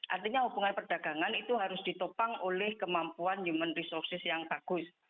artinya hubungan perdagangan itu harus ditopang oleh kemampuan human resources yang bagus